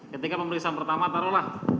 ketika pemeriksaan pertama taruhlah